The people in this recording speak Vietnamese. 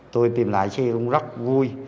tôi tìm lại chế cũng rất vui